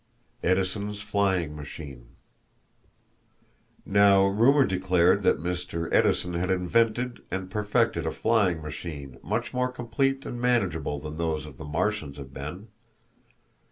Edison's Flying Machine. Now, rumor declared that Mr. Edison had invented and perfected a flying machine much more complete and manageable than those of the Martians had been.